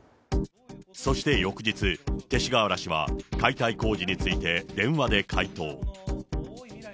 そして翌日、勅使河原氏は解体工事について、電話で回答。